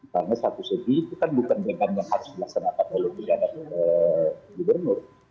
karena satu segi itu kan bukan dengan yang harus dilaksanakan oleh pihak gubernur